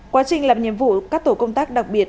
quá trình làm nhiệm vụ các tổ công tác đặc biệt